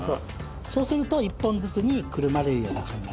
そうすると一本ずつにくるまるような感じに。